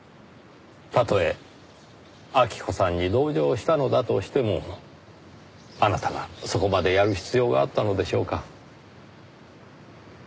たとえ晃子さんに同情したのだとしてもあなたがそこまでやる必要があったのでしょうか？